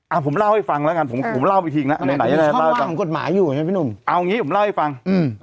อ้าผมเล่าให้ฟังแล้วกันผมเล่าไปทีนะเอ๊ะเอาอย่างงี้ผมเล่าให้ฟัง